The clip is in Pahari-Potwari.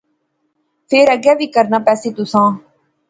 فیر اگے وی کرنا پہسی تسیں